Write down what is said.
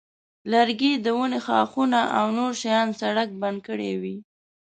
لرګي د ونې ښاخونه او نور شیان سړک بند کړی وي.